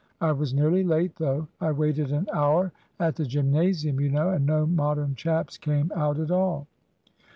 I was nearly late, though. I waited an hour at the gymnasium, you know, and no Modern chaps came out at all."